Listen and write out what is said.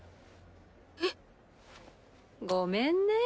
えっ？ごめんね。